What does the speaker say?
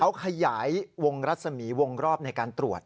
เขาขยายวงรัศมีวงรอบในการตรวจ